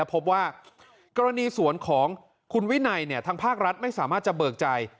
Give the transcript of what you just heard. พบว่ากรณีสวนของคุณวินัยทางภาครัฐไม่สามารถจะเบิกใจ